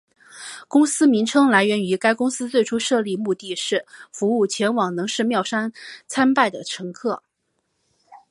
公司名称来源于该公司最初设立目的是服务前往能势妙见山参拜的乘客。